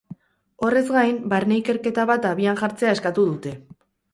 Horrez gain, barne-ikerketa bat abian jartzea eskatu dute.